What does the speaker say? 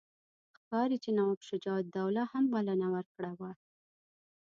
ښکاري چې نواب شجاع الدوله هم بلنه ورکړې وه.